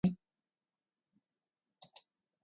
Pritrdite dve zatiča na vsaki strani.